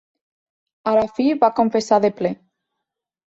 A la fi va confessar de ple.